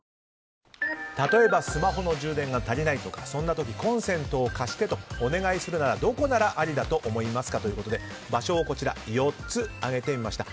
例えばスマホの充電が足りないとかそんな時、コンセントを貸してとお願いするならどこならありだと思いますかということで場所を４つ、挙げてみました。